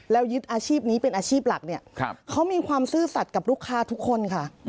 แล้วยึดอาชีพนี้เป็นอาชีพหลักเนี่ยเขามีความซื่อสัตว์กับลูกค้าทุกคนค่ะ